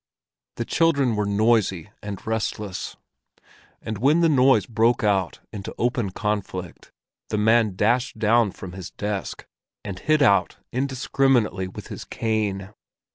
The children were noisy and restless, and when the noise broke out into open conflict, the man dashed down from his desk, and hit out indiscriminately with his cane.